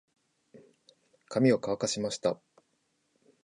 髪を乾かしました。